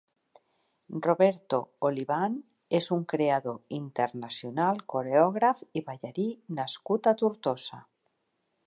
Roberto Olivan és un creador internacional Coreògraf i ballarí nascut a Tortosa.